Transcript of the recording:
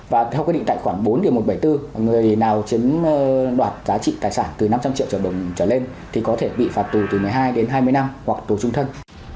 và theo quy định tại khoảng bốn một trăm bảy mươi bốn người nào chiếm đoạt giá trị tài sản từ năm trăm linh triệu đồng trở lên thì có thể bị phạt tù từ một mươi hai đến hai mươi năm hoặc tù trung thân